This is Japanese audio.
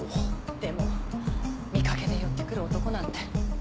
でも見かけで寄ってくる男なんて。